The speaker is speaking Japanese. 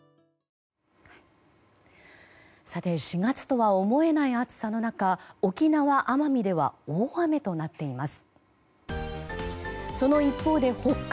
さて、４月とは思えない暑さの中沖縄・奄美では大雨となっています。